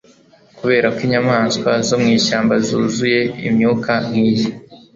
kuberako inyamaswa zo mwishyamba zuzuye imyuka nkiyi